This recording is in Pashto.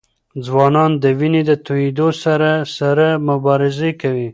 ځوانان د وینې د تویېدو سره سره مبارزه کوي.